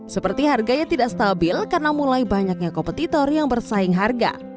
seperti harganya tidak stabil karena mulai banyaknya kompetitor yang bersaing harga